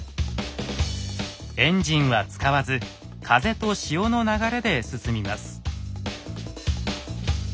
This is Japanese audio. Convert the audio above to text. エンジンは使わず風と潮の流れで進みます。